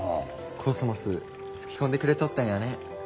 コスモスすき込んでくれとったんやね。